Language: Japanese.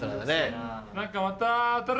何かまた。